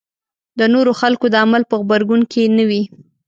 د نورو خلکو د عمل په غبرګون کې نه وي.